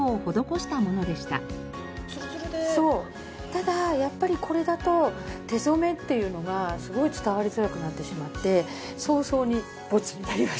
ただやっぱりこれだと手染めっていうのがすごい伝わりづらくなってしまって早々にボツになりました。